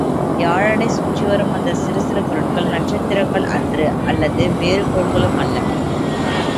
வியாழனைச் சுற்றிவரும் அந்த சிறு சிறு பொருட்கள் நட்சத்திரங்கள் அன்று அல்லது வேறு கோள்களும் அல்ல.